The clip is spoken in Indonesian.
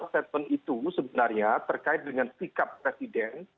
statement itu sebenarnya terkait dengan sikap presiden